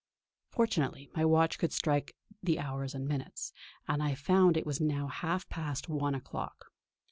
Fortunately my watch could strike the hours and minutes, and I found it was now half past one o'clock.